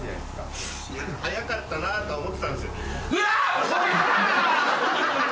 早かったなとは思ってたんですよ。